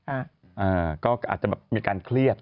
อันนี้ก็อาจจะมีการเครี๋ยบ